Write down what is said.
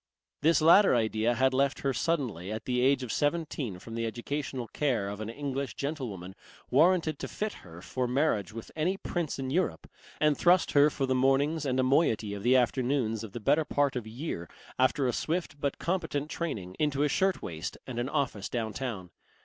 This latter idea had reft her suddenly at the age of seventeen from the educational care of an English gentlewoman warranted to fit her for marriage with any prince in Europe, and thrust her for the mornings and a moiety of the afternoons of the better part of a year, after a swift but competent training, into a shirt waist and an office down town.